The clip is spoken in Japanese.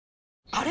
あれ？